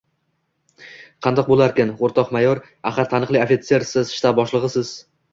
— Qandoq bo‘larkin, o‘rtoq mayor? Axir taniqli ofitsersiz, shtab boshlig‘isiz.